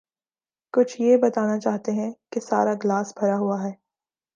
کچھ یہ بتانا چاہتے ہیں کہ سارا گلاس بھرا ہوا ہے۔